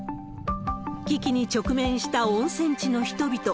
危機に直面した温泉地の人々。